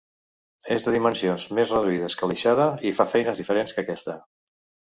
És de dimensions més reduïdes que l'aixada i fa feines diferents que aquesta.